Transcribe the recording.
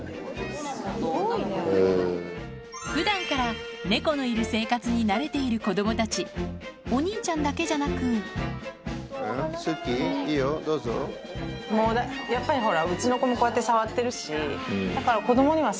普段から猫のいる生活に慣れている子供たちお兄ちゃんだけじゃなくもうやっぱりほら。